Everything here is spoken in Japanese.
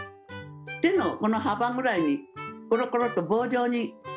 手のこの幅ぐらいにコロコロと棒状に。